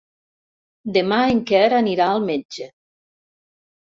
Demà en Quer anirà al metge.